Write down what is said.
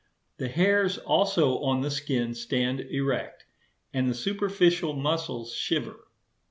The hairs also on the skin stand erect; and the superficial muscles shiver.